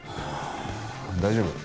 大丈夫。